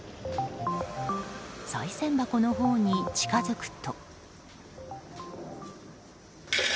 さい銭箱のほうに近づくと。